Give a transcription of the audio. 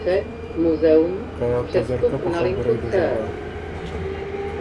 که ته ځرکۀ په خبُرئ بُو ژغا۔